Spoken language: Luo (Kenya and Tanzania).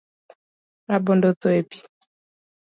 Rabondo otho e pi.